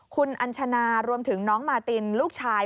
คุณอัญชนารวมถึงน้องมาตินลูกชาย